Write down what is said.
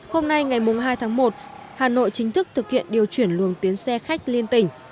hôm nay ngày hai tháng một hà nội chính thức thực hiện điều chuyển luồng tuyến xe khách liên tỉnh